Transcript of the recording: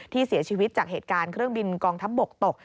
เสียชีวิตจากเหตุการณ์เครื่องบินกองทัพบกตก